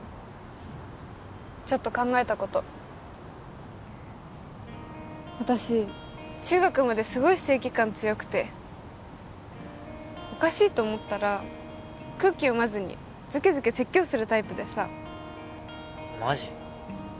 ちょっと考えたこと私中学まですごい正義感強くておかしいと思ったら空気読まずにズケズケ説教するタイプでさマジ？